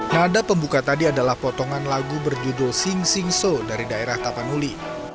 nada pembuka tadi adalah potongan lagu berjudul sing sing so dari daerah tapanuli